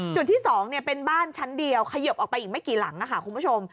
จุดที่๒เป็นบ้านชั้นเดียวขยิบออกไปอีกไม่กี่หลังค่ะคุณผู้ชม